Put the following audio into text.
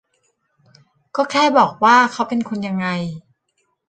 ก็แค่บอกว่าเขาเป็นคนยังไง